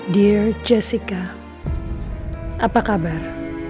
dear jessica apa kabar